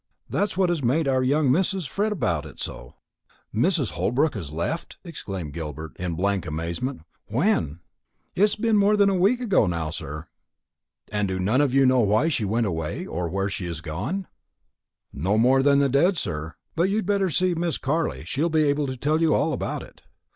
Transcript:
That is what has made our young missus fret about it so." "Mrs. Holbrook has left!" Gilbert exclaimed in blank amazement; "when?" "It's more than a week ago now, sir." "And do none of you know why she went away, or where she has gone?" "No more than the dead, sir. But you'd better see Miss Carley; she'll be able to tell you all about it."